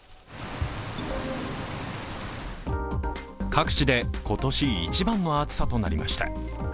各地で今年一番の暑さとなりました。